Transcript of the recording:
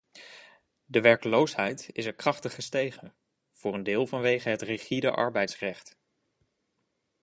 De werkloosheid is er krachtig gestegen, voor een deel vanwege het rigide arbeidsrecht.